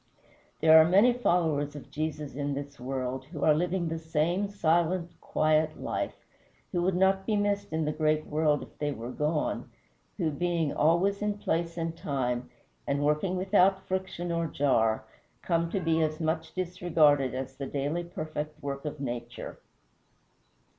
There are many followers of Jesus in this world who are living the same silent, quiet life, who would not be missed in the great world if they were gone, who, being always in place and time, and working without friction or jar, come to be as much disregarded as the daily perfect work of nature.